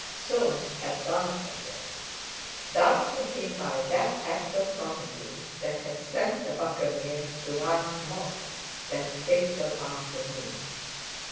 Soames had done for him—done for him by that act of property that had sent the Buccaneer to run amok that fatal afternoon.